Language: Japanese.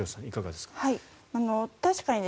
いかがですか。